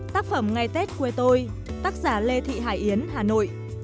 tác phẩm ngày tết quê tôi tác giả lê thị hải yến hà nội